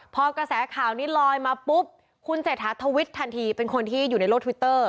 พอกระแสข่าวนี้ลอยมาปุ๊บคุณเศรษฐาทวิตทันทีเป็นคนที่อยู่ในโลกทวิตเตอร์